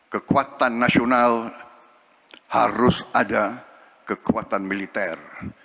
kekuatan nasional harus ada kekuatan militer